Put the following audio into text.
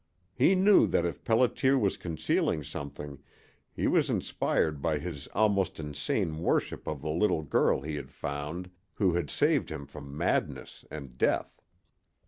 He knew that if Pelliter was concealing something he was inspired by his almost insane worship of the little girl he had found who had saved him from madness and death.